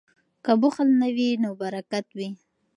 که بخل نه وي نو برکت وي.